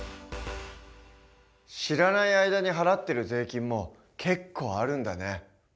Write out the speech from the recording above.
知らない間に払ってる税金も結構あるんだね。